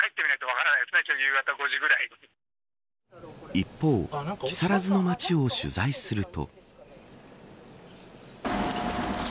一方、木更津の街を取材すると。